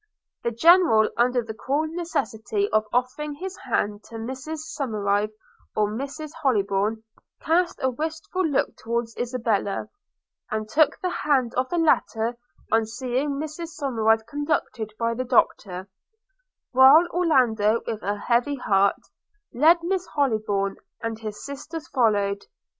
The General, under the cruel necessity of offering his hand to Mrs Somerive, or Mrs Hollybourn, cast a wistful look towards Isabella, and took the hand of the latter on seeing Mrs Somerive conducted by the Doctor; while Orlando, with a heavy heart, led Miss Hollybourn, and his sisters followed.